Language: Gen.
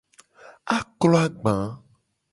Aklo agba.